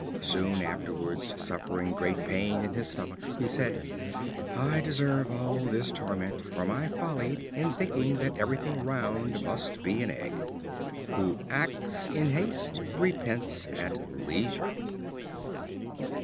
Soon afterwards suffering great pain in his stomach, he said: "I deserve all this torment, for my folly in thinking that everything round must be an egg." Who acts in haste repents at leisure.